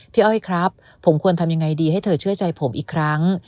อ้อยครับผมควรทำยังไงดีให้เธอเชื่อใจผมอีกครั้ง